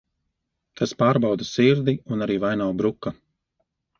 Tas pārbauda sirdi un arī vai nav bruka.